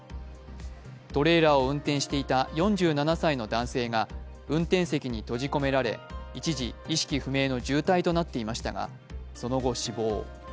トレーラーを運転していた４７歳の男性が運転席に閉じ込められ一時、意識不明の重体となっていましたがその後、死亡。